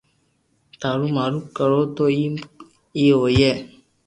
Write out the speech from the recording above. ٿارو مارو ڪرو تو ايم اي ھوئي